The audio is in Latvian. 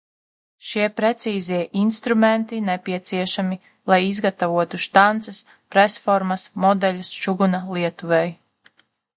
Šie precīzie instrumenti nepieciešami, lai izgatavotu štances, presformas, modeļus čuguna lietuvei.